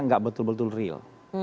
tidak betul betul real